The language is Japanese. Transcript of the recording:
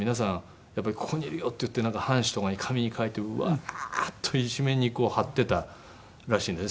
やっぱりここにいるよっていって半紙とかに紙に書いてウワーッと一面に貼ってたらしいんでね